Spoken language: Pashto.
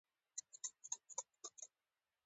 افغانستان د هوا په برخه کې نړیوالو بنسټونو سره کار کوي.